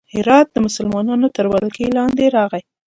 هرات د مسلمانانو تر ولکې لاندې راغی.